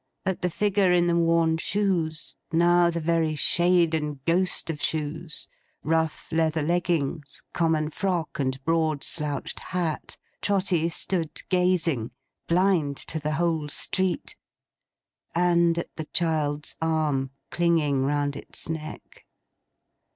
At the figure in the worn shoes—now the very shade and ghost of shoes—rough leather leggings, common frock, and broad slouched hat, Trotty stood gazing, blind to the whole street. And at the child's arm, clinging round its neck.